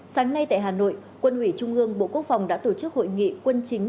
sáng nay tại hà nội quân ủy trung ương bộ quốc phòng đã tổ chức hội nghị quân chính